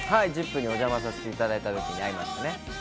『ＺＩＰ！』にお邪魔させていただいた時に会いました。